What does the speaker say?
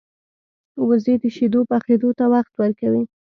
وزې د شیدو پخېدو ته وخت ورکوي